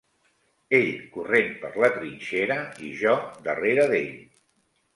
Ell corrent per la trinxera i jo darrere d'ell